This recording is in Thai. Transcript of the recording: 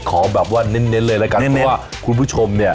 ขอแบบเน้นเลยครับว่าคุณผู้ชม